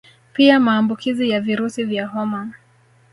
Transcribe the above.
Pia Maambukizi ya virusi vya homa